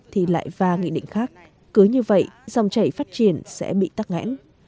thì lại va nghị định khác cứ như vậy dòng chảy phát triển sẽ bị tắc nghẽn